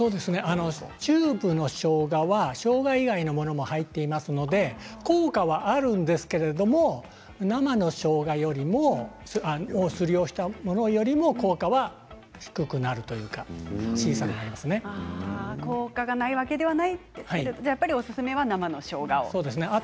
チューブのしょうがはしょうが以外のものも入っていますので効果はあるんですけれども生のしょうがをすりおろしたものよりも効果は低くなるというか効果がないわけではないけれどもおすすめは生のしょうがと。